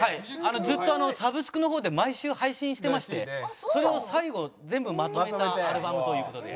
ずっとサブスクの方で毎週配信してましてそれを最後全部まとめたアルバムという事で。